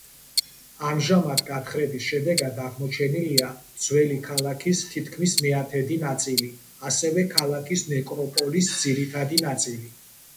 ამჟამად გათხრების შედეგად აღმოჩენილია ძველი ქალაქის თითქმის მეათედი ნაწილი, ასევე ქალაქის ნეკროპოლის ძირითადი ნაწილი.